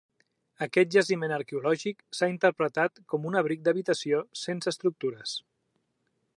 Aquest jaciment arqueològic s'ha interpretat com un abric d'habitació sense estructures.